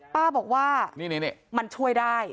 ป้าบอกว่านี่มันช่วยได้